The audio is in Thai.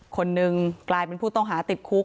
คนหนึ่งกลายเป็นผู้ต้องหาติดคุก